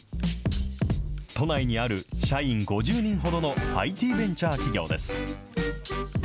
都内にある社員５０人ほどのＩＴベンチャー企業です。